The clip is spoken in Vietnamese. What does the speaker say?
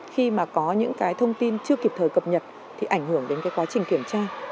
khi mà có những thông tin chưa kịp thời cập nhật thì ảnh hưởng đến quá trình kiểm tra